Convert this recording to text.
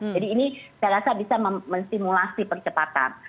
jadi ini saya rasa bisa menstimulasi percepatan